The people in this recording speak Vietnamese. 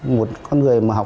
một con người mà học